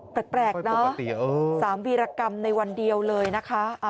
แปลกนะปกติ๓วีรกรรมในวันเดียวเลยนะคะ